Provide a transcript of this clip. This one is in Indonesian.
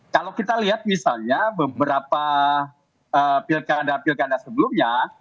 kalau kita lihat misalnya beberapa pilkada pilkada sebelumnya